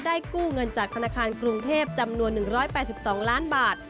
กู้เงินจากธนาคารกรุงเทพจำนวน๑๘๒ล้านบาท